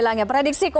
jadi seperti ini